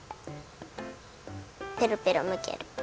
ペロペロむける。